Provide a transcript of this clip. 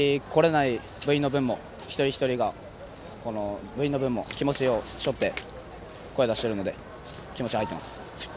来れない部員の分も一人一人が部員の分も気持ちを背負って声出してるので気持ちは入ってます。